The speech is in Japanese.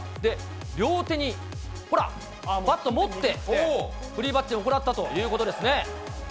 両手にほら、バット持って、フリーバッティング行ったということですね。